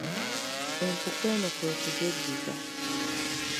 Empuku eno kwe kugyeddiza